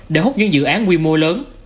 để hút những dự án quy mô lớn